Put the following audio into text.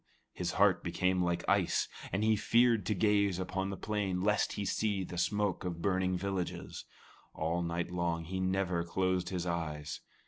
His heart became like ice, and he feared to gaze upon the plain lest he see the smoke of burning villages. All night long he never closed his eyes.